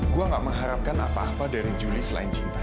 gua nggak mengharapkan apa apa dari juli selain cintanya